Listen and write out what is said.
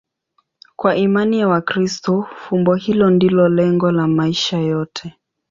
Kwa imani ya Wakristo, fumbo hilo ndilo lengo la maisha yote.